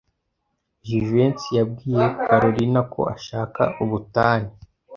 Jivency yabwiye Kalorina ko ashaka ubutane.